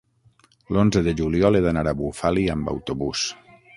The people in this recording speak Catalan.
L'onze de juliol he d'anar a Bufali amb autobús.